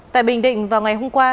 tại bình định vào ngày hôm qua